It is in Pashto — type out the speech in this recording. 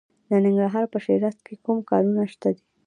د ننګرهار په شیرزاد کې کوم کانونه دي؟